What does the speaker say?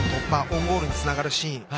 オウンゴールにつながるシーン。